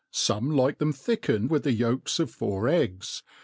Some like them thickened with the yolks of four tggs.